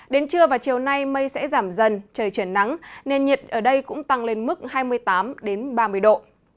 đến trưa và chiều nay mây sẽ giảm dần trời chuyển nắng nên nhiệt ở đây cũng tăng lên mức hai mươi tám ba mươi độ